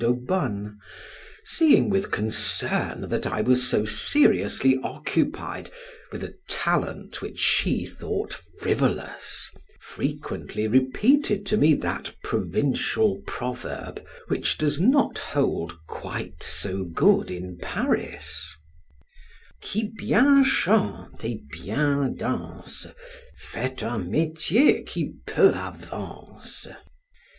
d'Aubonne, seeing with concern that I was so seriously occupied with a talent which she thought frivolous, frequently repeated to me that provincial proverb, which does not hold quite so good in Paris, "Qui biens chante et biens dance, fait un metier qui peu avance."